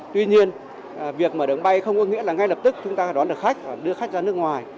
tuy nhiên việc mở đường bay không có nghĩa là ngay lập tức chúng ta đón được khách và đưa khách ra nước ngoài